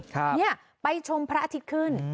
เนี่ยไปชมพระอาทิตย์ขึ้น